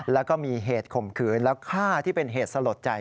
แล้วก็มีเหตุข่มขืนแล้วฆ่าที่เป็นเหตุสลดใจ